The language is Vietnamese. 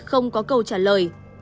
không có câu trả lời